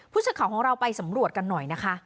ผู้ชมของเราไปสำรวจกันหน่อยนะคะ